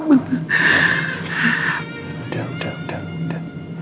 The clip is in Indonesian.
udah udah udah